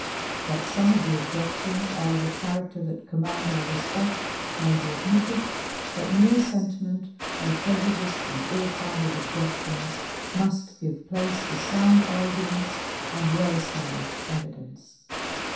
That some of the objections are of a character that command our respect may be admitted, but mere sentiment or prejudiced and ill founded objections, must give place to sound arguments and well established evidence.